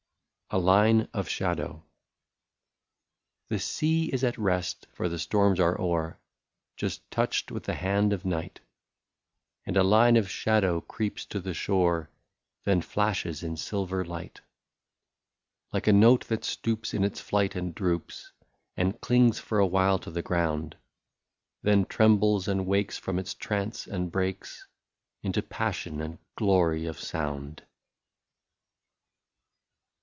*' 87 A LINE OF SHADOW. The sea is at rest^for the storms are o'er Just touched with the hand of night ; And a line of shadow creeps to the shore, Then flashes in silver light, — Like a note that stoops in its flight, and droops, And clings for a while to the ground, Then trembles, and wakes from its trance, and breaks Into passion and glory of sound.